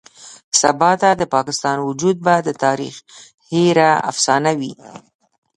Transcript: سباته د پاکستان وجود به د تاريخ هېره افسانه وي.